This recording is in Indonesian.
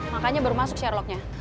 makanya baru masuk charlotte nya